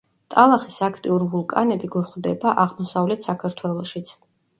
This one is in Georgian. ტალახის აქტიურ ვულკანები გვხვდება აღმოსავლეთ საქართველოშიც.